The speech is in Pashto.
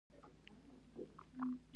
انګلیسانو په ظاهره شاه عالم ته تابع ګڼل.